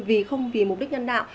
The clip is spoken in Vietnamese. vì không vì mục đích nhân đạo